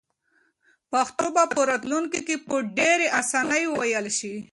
پښتو به په راتلونکي کې په ډېرې اسانۍ وویل شي.